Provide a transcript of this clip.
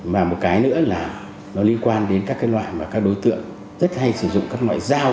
và một cái nữa là nó liên quan đến các cái loại mà các đối tượng rất hay sử dụng các loại dao